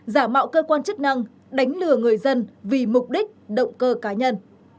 giả mạo cơ quan chức năng đánh lừa người dân vì mục đích động cơ cá nhân